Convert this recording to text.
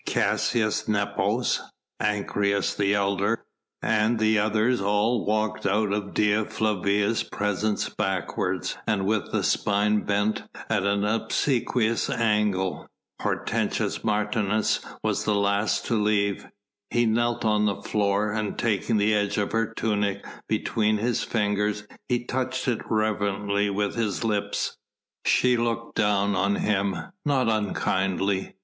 Caius Nepos, Ancyrus, the elder, and the others all walked out of Dea Flavia's presence backwards and with spine bent at an obsequious angle. Hortensius Martius was the last to leave. He knelt on the floor, and taking the edge of her tunic between his fingers he touched it reverently with his lips. She looked down on him, not unkindly.